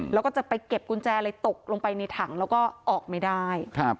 แล้วก็จะไปเก็บกุญแจอะไรตกลงไปในถังแล้วก็ออกไม่ได้